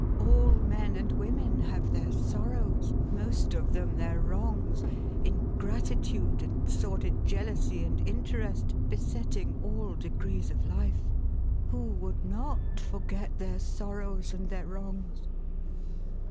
All men and women have their sorrows, — most of them their wrongs; ingratitude, and sordid jealousy, and interest, besetting all degrees of life. Who would not forget their sorrows and their wrongs